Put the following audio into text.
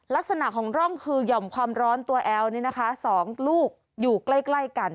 ลักษณะของร่องคือย่ำความร้อนตัวแอวนี้นะคะสองลูกอยู่ใกล้ใกล้กัน